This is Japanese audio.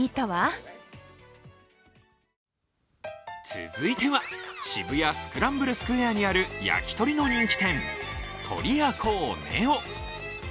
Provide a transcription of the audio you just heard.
続いては、渋谷スクランブルスクエアにある焼き鳥の人気店、とりや幸ＮＥＯ。